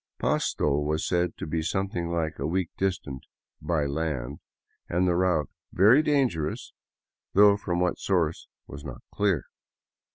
Pasto was said to be something like a week distant " by land," and the route " very dangerous," though from what source was not clear.